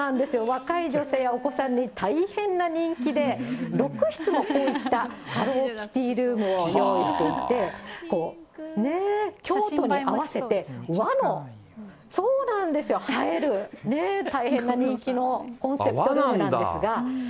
若い女性やお子さんに大変な人気で、６室も、こういったハローキティルームを用意していて、に合わせて和の、そうなんですよ、映える、大変な人気のコンセプトなんですが。